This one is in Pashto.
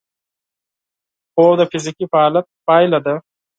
خوب د فزیکي فعالیت پایله ده